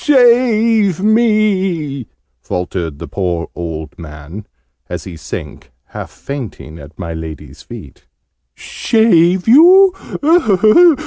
"Save me!" faltered the poor old man, as he sank, half fainting, at my Lady's feet. "Shave you?